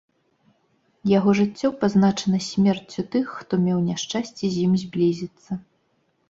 Яго жыццё пазначана смерцю тых, хто меў няшчасце з ім зблізіцца.